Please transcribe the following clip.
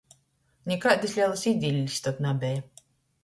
Nikaidys lelys idillis tod nabeja!